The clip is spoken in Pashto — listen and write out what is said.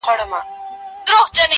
ما مي خوبونه تر فالبینه پوري نه دي وړي٫